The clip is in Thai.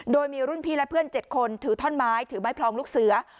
โดยมีรุ่นพี่และเพื่อน๗คนถือท่อนไม้ถือไม้พลองลูกเสือ